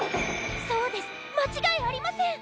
そうですまちがいありません！